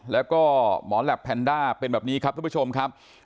แล้วก็หมอแหลปแพนด้าเป็นแบบนี้ครับทุกผู้ชมครับ